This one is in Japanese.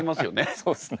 そうっすね。